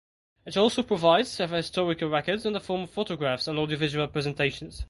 It also provides several historical records in the form of photographs and audiovisual presentations.